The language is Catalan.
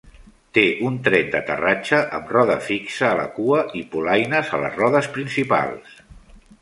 Té un tren d'aterratge amb roda fixa a la cua i polaines a les rodes principals.